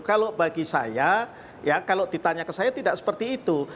kalau bagi saya ya kalau ditanya ke saya tidak seperti itu